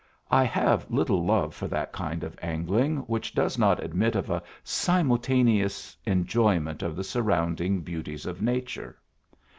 I have little love for that kind of angling which does not admit of a simultaneous enjoyment of the surrounding beauties of nature.